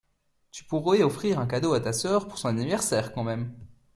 Tu pourrais offrir un cadeau à ta sœur pour son anniversaire quand même.